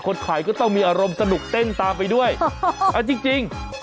ถ่ายก็ต้องมีอารมณ์สนุกเต้นตามไปด้วยเอาจริง